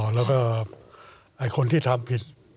แล้วก็คนที่ทำผิด